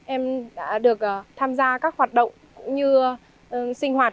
em đã được tham gia các hoạt động cũng như sinh hoạt